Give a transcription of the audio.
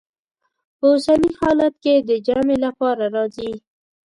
په اوسني حالت کې د جمع لپاره راځي.